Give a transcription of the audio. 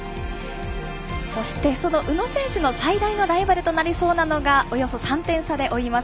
そして、その宇野選手の最大のライバルとなりそうなのがおよそ３点差で追います